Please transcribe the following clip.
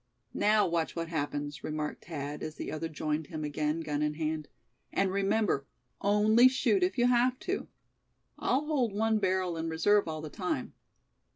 "Now watch what happens!" remarked Thad, as the other joined him again, gun in hand; "and remember, only shoot if you have to. I'll hold one barrel in reserve all the time.